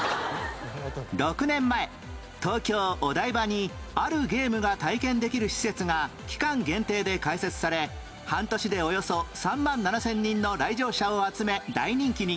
６年前東京お台場にあるゲームが体験できる施設が期間限定で開設され半年でおよそ３万７０００人の来場者を集め大人気に